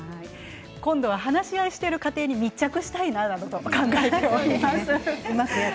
今度、話し合いをしている家庭に密着したいなと思います。